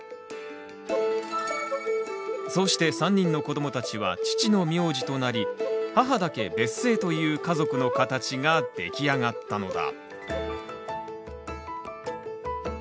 そうして３人の子どもたちは父の名字となり母だけ別姓という家族の形が出来上がったのだ。